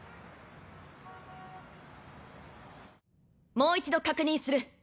もう一度確認する。